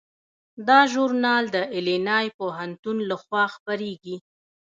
دا ژورنال د ایلینای پوهنتون لخوا خپریږي.